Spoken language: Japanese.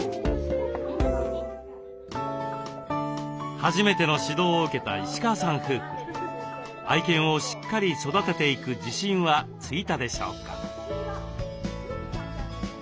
初めての指導を受けた石川さん夫婦愛犬をしっかり育てていく自信はついたでしょうか？